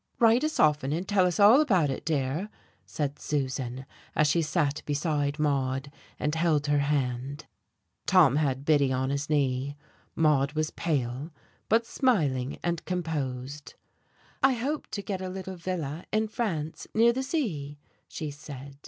"Write us often, and tell us all about it, dear," said Susan, as she sat beside Maude and held her hand; Tom had Biddy on his knee. Maude was pale, but smiling and composed. "I hope to get a little villa in France, near the sea," she said.